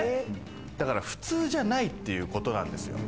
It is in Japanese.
だから普通じゃないってことなんですよ。